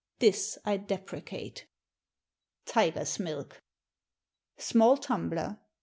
This I deprecate." Tiger's Milk. Small tumbler.